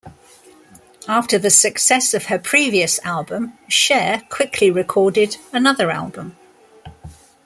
After the success of her previous album, Cher quickly recorded another album.